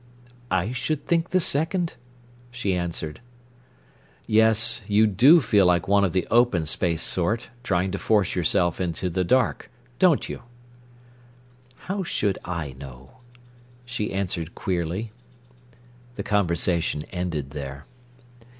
"I should think the second," she answered. "Yes, you do feel like one of the open space sort, trying to force yourself into the dark, don't you?" "How should I know?" she answered queerly. The conversation ended there.